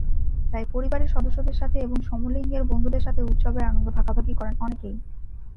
তাই পরিবারের সদস্যদের সাথে এবং সমলিঙ্গের বন্ধুদের সাথেও উৎসবের আনন্দ ভাগাভাগি করেন অনেকেই।